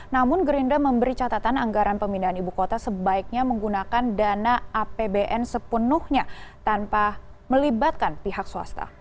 namun gerindra memberi catatan anggaran pemindahan ibu kota sebaiknya menggunakan dana apbn sepenuhnya tanpa melibatkan pihak swasta